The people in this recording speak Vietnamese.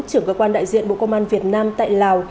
trưởng cơ quan đại diện bộ công an việt nam tại lào